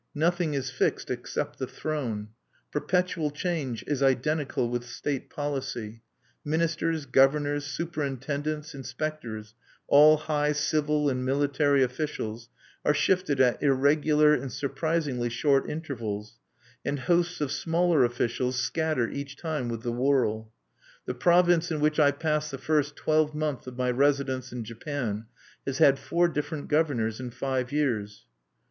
Nothing is fixed except the Throne. Perpetual change is identical with state policy. Ministers, governors, superintendents, inspectors, all high civil and military officials, are shifted at irregular and surprisingly short intervals, and hosts of smaller officials scatter each time with the whirl. The province in which I passed the first twelvemonth of my residence in Japan has had four different governors in five years.